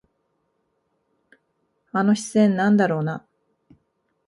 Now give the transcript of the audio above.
あの視線、なんだろうな。